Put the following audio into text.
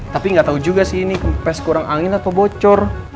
tapi gatau juga sih ini kempes kurang angin atau bocor